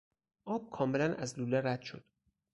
آب کاملا از لوله رد شد.